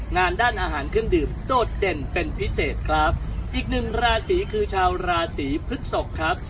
งานด้านอาหารเครื่องดื่มโดดเด่นเป็นพิเศษครับอีกหนึ่งราศีคือชาวราศีพฤกษกครับ